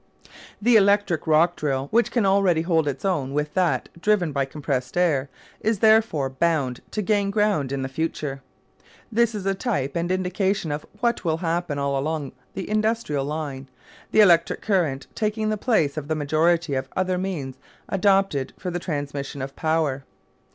The electric rock drill, which can already hold its own with that driven by compressed air, is therefore bound to gain ground in the future. This is a type and indication of what will happen all along the industrial line, the electric current taking the place of the majority of other means adopted for the transmission of power.